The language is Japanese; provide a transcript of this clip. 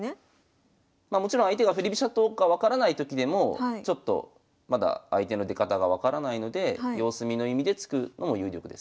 もちろん相手が振り飛車党か分からないときでもまだ相手の出方が分からないので様子見の意味で突くのも有力です。